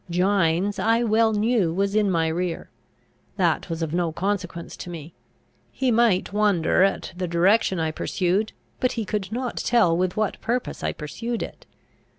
Gines, I well knew, was in my rear. That was of no consequence to me. He might wonder at the direction I pursued, but he could not tell with what purpose I pursued it.